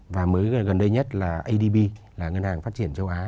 và mới gần đây nhất là adb là ngân hàng phát triển châu á